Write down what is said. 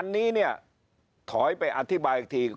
อันนี้เนี่ยถอยไปอธิบายอีกที